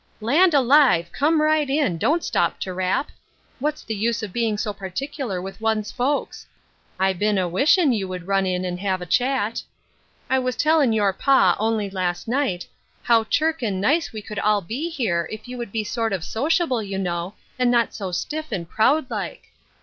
" Land alive ! come right in, don't stop to rap. What's the use of being so particular with one's folks? 1 been a wishin' you would run in and have a chat. I was tellin' your pa, only last night, how chirk and nice we could all be here, if you would be sort of sociable, you know, and not so stiff and proud like.